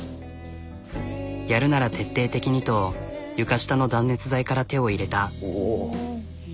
やるなら徹底的にと床下の断熱材から手を入れた。